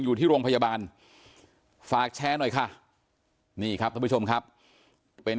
อยู่ที่โรงพยาบาลฝากแชร์หน่อยค่ะนี่ครับท่านผู้ชมครับเป็น